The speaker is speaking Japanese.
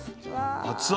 熱々。